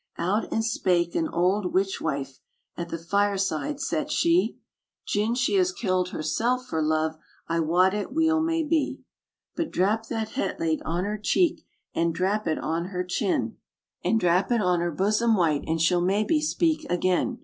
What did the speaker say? Out and spak' an auld witch wife, At the fireside sat she: "'Gin she has killed herself for love, I wot it weel may be: ''But drap the het lead on her cheek, And drap it on her chin. RAINBOW GOLD And drap it on her bosom white, And she'll maybe speak again.